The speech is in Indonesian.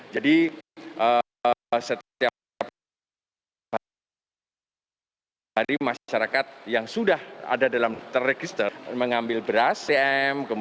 jadi setiap hari masyarakat yang sudah ada dalam terregister mengambil beras atm